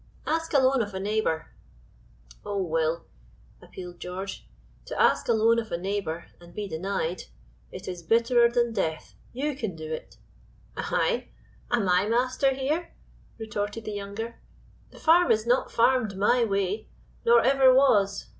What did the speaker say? "Ask a loan of a neighbor." "Oh, Will," appealed George, "to ask a loan of a neighbor, and be denied it is bitterer than death. You can do it." "I! Am I master here?" retorted the younger. "The farm is not farmed my way, nor ever was.